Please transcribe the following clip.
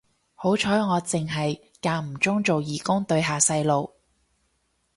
好彩我剩係間唔中做義工對下細路